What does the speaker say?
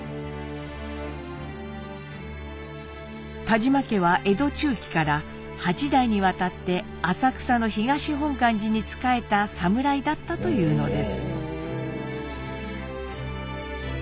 田嶋家は江戸中期から８代にわたって浅草の東本願寺に仕えた侍だったというのです。